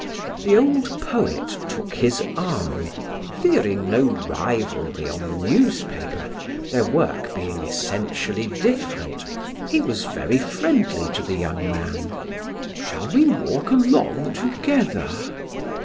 The old poet took his arm; fearing no rivalry on the newspaper, their work being essentially different, he was very friendly to the young man. "Shall we walk along together?"